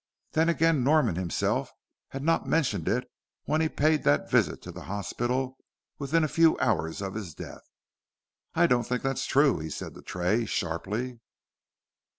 Then again Norman himself had not mentioned it when he paid that visit to the hospital within a few hours of his death. "I don't think that's true," he said to Tray sharply.